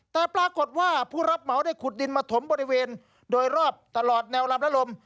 แต่ปรากฏว่าผู้รับเหมาได้ขุดดินมาถมบริเวณโดยรอบตลอดแนวลำและลม